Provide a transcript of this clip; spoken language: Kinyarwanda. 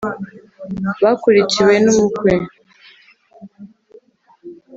bakurikiwe n'umukwe